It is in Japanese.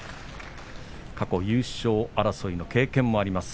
過去、優勝争いの経験もあります